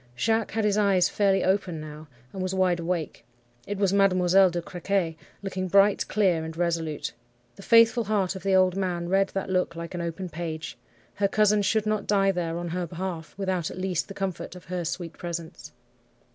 Jacques had his eyes fairly open now, and was wide awake. It was Mademoiselle de Crequy, looking bright, clear, and resolute. The faithful heart of the old man read that look like an open page. Her cousin should not die there on her behalf, without at least the comfort of her sweet presence.